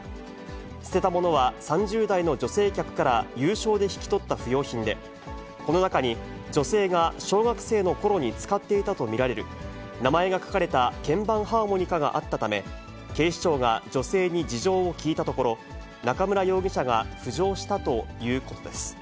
捨てたものは３０代の女性客から有償で引き取った不用品で、この中に、女性が小学生のころに使っていたと見られる、名前が書かれた鍵盤ハーモニカがあったため、警視庁が女性に事情を聴いたところ、中村容疑者が浮上したということです。